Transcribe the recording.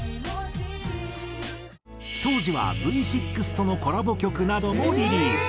当時はＶ６とのコラボ曲などもリリース。